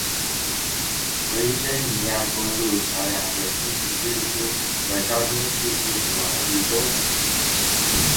维珍尼亚公路桥梁的通行支出和交通事故死亡率都很低。